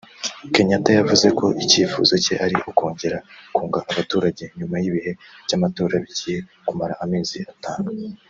Kenyatta yavuze ko icyifuzo cye ari ukongera kunga abaturage nyuma y’ibihe by’amatora bigiye kumara amezi atanu